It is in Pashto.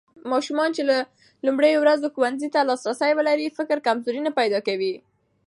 ماشومان چې له لومړيو ورځو ښوونې ته لاسرسی ولري، فکري کمزوري نه پيدا کېږي.